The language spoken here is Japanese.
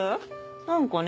何かね